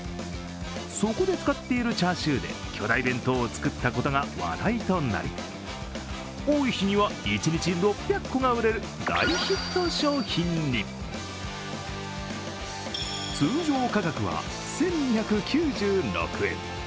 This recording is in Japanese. そこで使っているチャーシューで巨大弁当を作ったことが話題となり、多い日には一日６００個が売れる大ヒット商品に通常価格は１２９６円。